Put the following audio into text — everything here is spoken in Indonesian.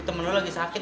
temen lu lagi sakit